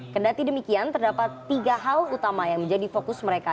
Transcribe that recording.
kendati demikian terdapat tiga hal utama yang menjadi fokus mereka